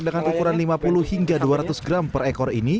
dengan ukuran lima puluh hingga dua ratus gram per ekor ini